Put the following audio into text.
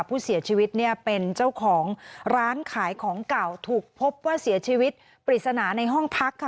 ผู้เสียชีวิตเนี่ยเป็นเจ้าของร้านขายของเก่าถูกพบว่าเสียชีวิตปริศนาในห้องพักค่ะ